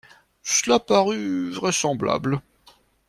Cela parut vraisemblable.